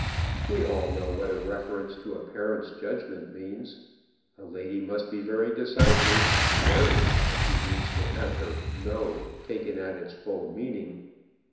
We all know what a reference to a parent's judgment means. A lady must be very decisive very, if she means to have her "no" taken at its full meaning.